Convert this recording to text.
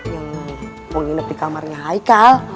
yang menginap di kamarnya haikal